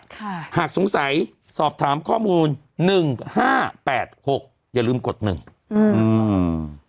ค่ะหากสงสัยสอบถามข้อมูลหนึ่งห้าแปดหกอย่าลืมกดหนึ่งอืมอืม